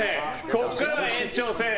ここからは延長戦。